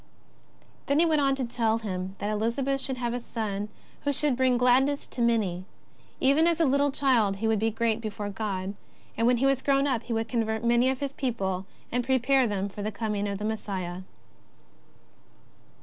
Then he went on to tell him that Elizabeth should have a son who should bring gladness to many. Even as a little child he would be great before God, and when he was grown up he would convert many of his people and prepare them for the coming of the Messiah.